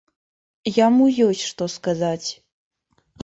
Яму ёсць што сказаць.